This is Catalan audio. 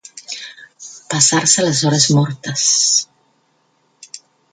Passar-se les hores mortes.